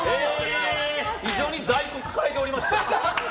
非常に在庫を抱えておりまして。